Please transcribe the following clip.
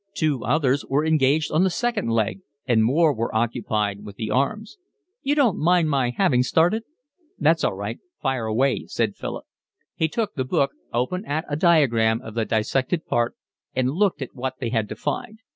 Two others were engaged on the second leg, and more were occupied with the arms. "You don't mind my having started?" "That's all right, fire away," said Philip. He took the book, open at a diagram of the dissected part, and looked at what they had to find.